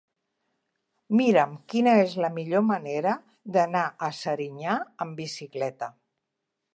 Mira'm quina és la millor manera d'anar a Serinyà amb bicicleta.